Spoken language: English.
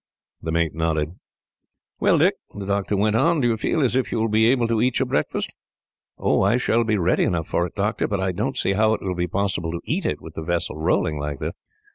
The mate nodded. "Well, Dick," the doctor went on, "do you feel as if you will be able to eat your breakfast?" "I shall be ready enough for it, doctor, but I don't see how it will be possible to eat it, with the vessel rolling like this."